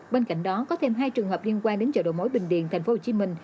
bên cạnh đó có thêm hai trường hợp liên quan đến chợ đồ mối bình điền tp hcm